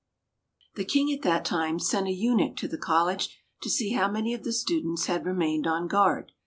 The King at that time sent a eunuch to the college to see how many of the students had remained on guard.